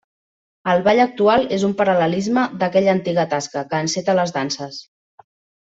El ball actual és un paral·lelisme d'aquella antiga tasca, que enceta les danses.